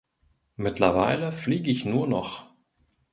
Mittlerweile fliege ich nur noch.